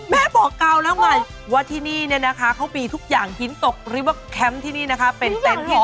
แม่บอกกาวแล้วไงว่าที่นี่เนี่ยนะคะเขามีทุกอย่างหินตกหรือว่าแคมป์ที่นี่นะคะเป็นเต็นต์